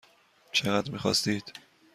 چقدر میخواستید؟